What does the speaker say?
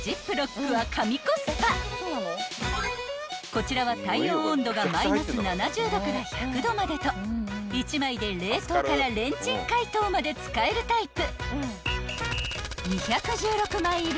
［こちらは対応温度がマイナス７０℃から１００℃までと１枚で冷凍からレンチン解凍まで使えるタイプ］